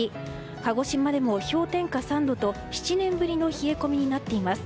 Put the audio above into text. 鹿児島でも氷点下３度と７年ぶりの冷え込みになっています。